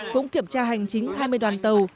cũng kiểm tra hành chính hai mươi đoàn tàu